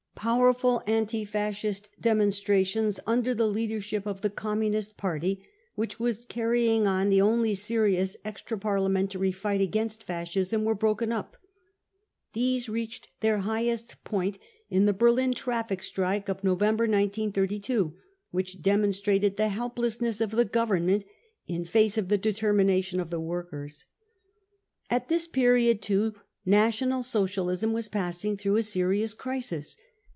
Powerful anti Fascist demonstrations under the leadership of the % Communist Party, which was carrying on the* only serious extra parliamentary fight against Fascism, were broken up. Thest reached their highest point in the Berlin traffic strike November 1932, which demonstrated the helplessness of the Government in face of the determination of the workers. % 42 BROWN BOOK OF THE HITlEr TERROR At this* period, too, National Socialism was passing * through a serious crisis.